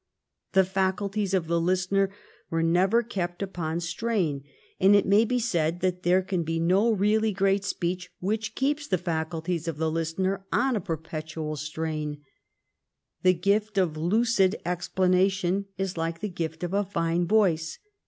The faculties of the listener were never kept upon the strain — and it may be said that there can be no really great speech which keeps the faculties of the listener on a perpetual strain. The gift of lucid explanation is like the gift of a fine voice.